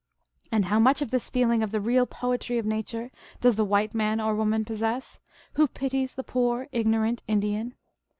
And how much of this feeling of the real poetry of nature does the white man or woman possess, who pities the poor ignorant Indian